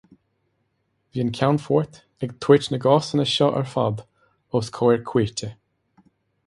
Bhí an Ceannfort ag tabhairt na gcásanna seo ar fad os comhair cúirte.